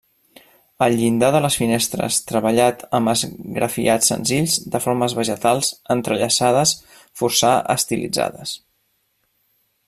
El llindar de les finestres treballat amb esgrafiats senzills de formes vegetals entrellaçades forçà estilitzades.